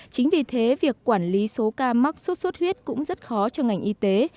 chính vì thế việc quản lý số ca mắc sốt xuất huyết cũng rất khó cho ngành y tế